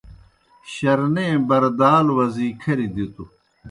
شرنے بَردالوْ وزی کھریْ دِتوْ۔